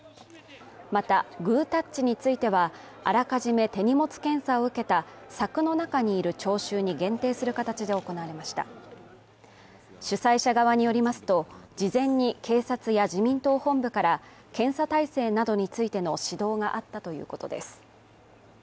また、グータッチについては、あらかじめ手荷物検査を受けた柵の中にいる聴衆に限定する形で行われました主催者側によりますと、事前に警察や自民党本部から検査態勢などについての指導があったということです。